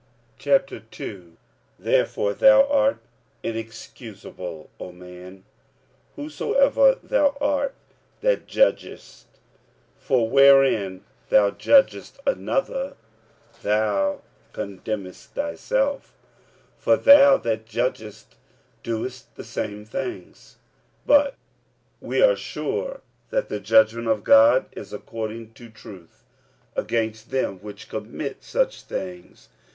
45:002:001 Therefore thou art inexcusable, O man, whosoever thou art that judgest: for wherein thou judgest another, thou condemnest thyself; for thou that judgest doest the same things. 45:002:002 But we are sure that the judgment of God is according to truth against them which commit such things.